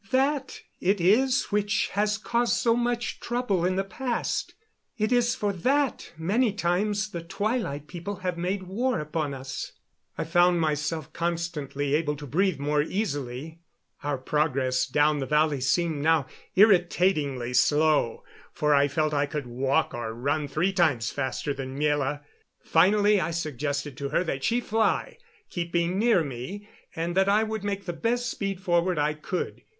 That it is which has caused much trouble in the past. It is for that, many times, the Twilight People have made war upon us." I found myself constantly able to breathe more easily. Our progress down the valley seemed now irritatingly slow, for I felt I could walk or run three times faster than Miela. Finally I suggested to her that she fly, keeping near me; and that I would make the best speed forward I could.